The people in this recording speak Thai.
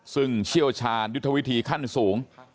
ซึ่งเชี่ยวชาญยุทธวิธีขั้นสูง